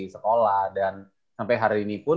sekolah dan sampai hari ini pun